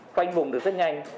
khoanh vùng được rất nhanh